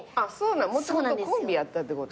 もともとコンビやったってこと？